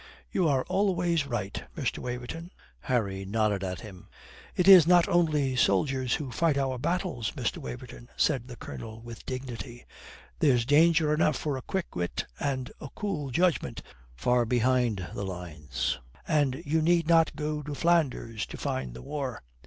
"You are always right, Mr. Waverton," Harry nodded at him. "It is not only soldiers who fight our battles, Mr. Waverton," said the Colonel with dignity. "There's danger enough for a quick wit and a cool judgment far behind the lines. And you need not go to Flanders to find the war.